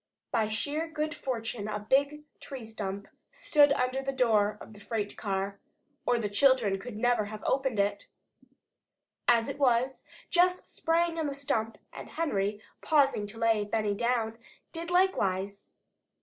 By sheer good fortune a big tree stump stood under the door of the freight car, or the children never could have opened it. As it was, Jess sprang on the stump and Henry, pausing to lay Benny down, did likewise.